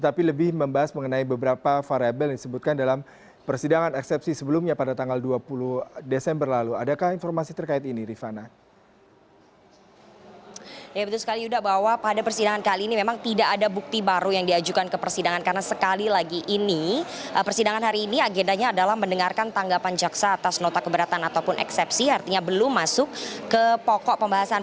tim kuasa hukumnya juga mengisyaratkan novanto masih mempertimbangkan menjadi justice kolaborator apalagi kpk sedang menyelidiki keterlibatan keluarga mantan ketua umum golkar ini